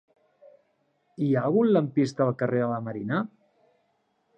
Hi ha algun lampista al carrer de la Marina?